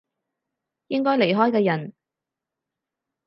應該離開嘅人